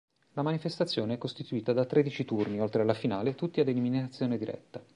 La manifestazione è costituita da tredici turni, oltre alla finale, tutti ad eliminazione diretta.